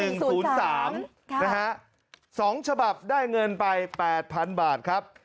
นะฮะ๒ฉบับได้เงินไป๘๐๐๐บาทครับ